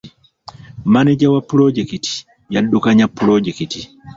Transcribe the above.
Maneja wa pulojekiti y'addukanya pulojekiti.